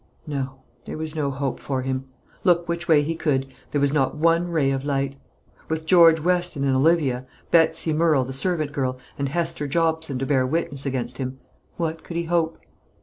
No; there was no hope for him. Look which way he could, there was not one ray of light. With George Weston and Olivia, Betsy Murrel the servant girl, and Hester Jobson to bear witness against him, what could he hope?